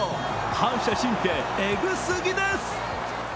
反射神経、エグすぎです。